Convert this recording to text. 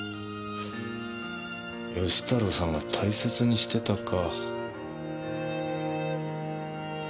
義太郎さんが大切にしてたか。